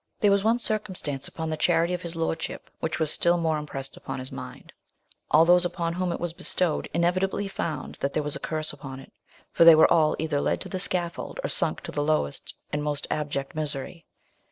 There was one circumstance about the charity of his Lordship, which was still more impressed upon his mind: all those upon whom it was bestowed, inevitably found that there was a curse upon it, for they were all either led to the scaffold, or sunk to the lowest and the most abject misery.